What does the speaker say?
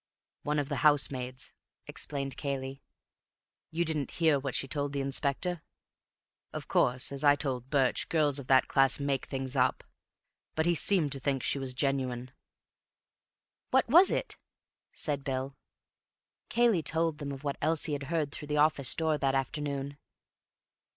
"One of the housemaids," explained Cayley. "You didn't hear what she told the Inspector? Of course, as I told Birch, girls of that class make things up, but he seemed to think she was genuine." "What was it?" said Bill. Cayley told them of what Elsie had heard through the office door that afternoon.